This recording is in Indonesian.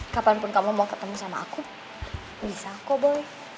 kapanpun kamu mau ketemu sama aku bisa kok boleh